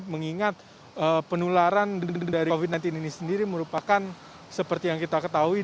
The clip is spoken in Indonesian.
mengingat penularan dari covid sembilan belas ini sendiri merupakan seperti yang kita ketahui